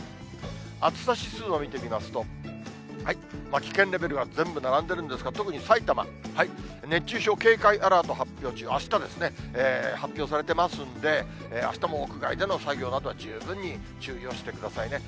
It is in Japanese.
暑さ指数を見てみますと、危険レベルが全部並んでるんですが、特に埼玉、熱中症警戒アラート発表中、あしたですね、発表されてますんで、あしたも屋外での作業などは、十分に注意をしてくださいね。